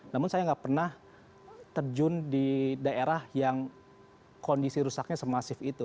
namun saya nggak pernah terjun di daerah yang kondisi rusaknya semasif itu